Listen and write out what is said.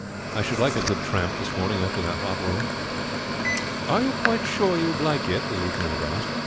"I should like a good tramp this morning after that hot room." "Are you quite sure you would like it?" the lieutenant asked.